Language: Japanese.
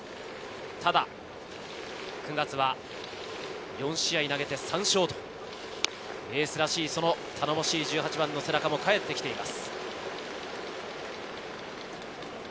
ただ９月は４試合投げて３勝とエースらしい、頼もしい１８番の背中も帰ってきています。